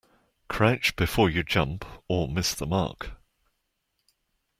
Crouch before you jump or miss the mark.